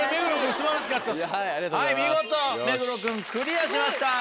見事目黒君クリアしました。